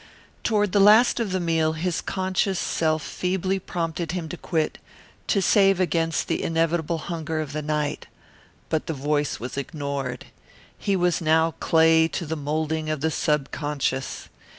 Toward the last of the meal his conscious self feebly prompted him to quit, to save against the inevitable hunger of the night. But the voice was ignored. He was now clay to the moulding of the subconscious.